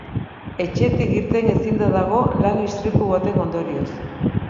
Etxetik irten ezinda dago lan istripu baten ondorioz.